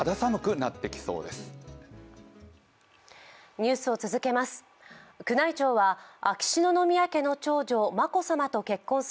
ニュースを続けます。